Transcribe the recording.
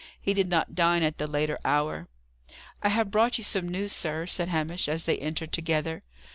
He did not dine at the later hour. "I have brought you some news, sir," said Hamish, as they entered together.